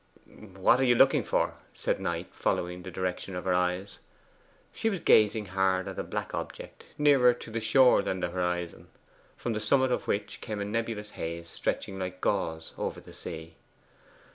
'What are you looking for? said Knight, following the direction of her eyes. She was gazing hard at a black object nearer to the shore than to the horizon from the summit of which came a nebulous haze, stretching like gauze over the sea.